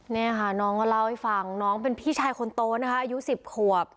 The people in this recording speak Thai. นี่ค่ะน้องก็เล่าให้ฟังน้องเป็นพี่ชายคนโตนะคะอายุ๑๐ขวบ